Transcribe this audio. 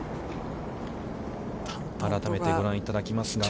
改めてご覧いただきますが。